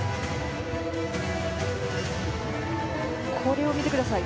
これを見てください。